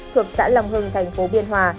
thuộc xã long hưng thành phố biên hòa